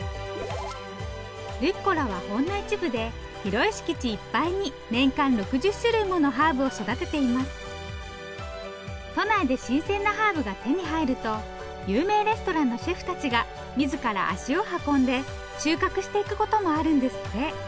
ルッコラはほんの一部で広い敷地いっぱいに都内で新鮮なハーブが手に入ると有名レストランのシェフたちが自ら足を運んで収穫していくこともあるんですって。